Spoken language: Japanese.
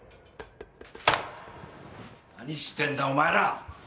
何してんだお前ら